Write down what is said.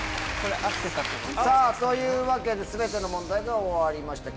さぁというわけで全ての問題が終わりました。